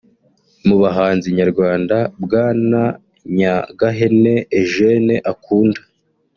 Mu bahanzi nyarwanda Bwana Nyagahene Eugene akunda